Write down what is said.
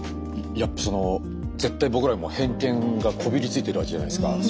やっぱその絶対僕らも偏見がこびりついてるわけじゃないですか。